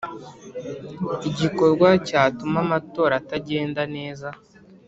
igikorwa cyatuma amatora atagenda neza.